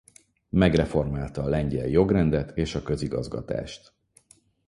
Megreformálta a lengyel jogrendet és a közigazgatást.